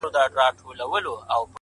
لوستل فکرونه روښانوي،